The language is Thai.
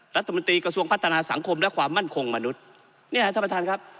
รัฐมนตรีกระทรวงพัฒนาสังคมและความมั่นคงมนุษย์เนี่ยท่านประธานครับ